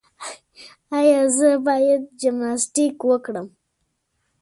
ایا زه باید جمناسټیک وکړم؟